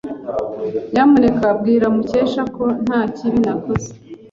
Nyamuneka bwira Mukesha ko nta kibi nakoze.